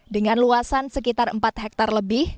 dengan luasan sekitar empat hektare lebih